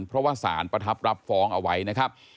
เพราะว่าสารประทับรับฟ้องเอาไว้นะครับ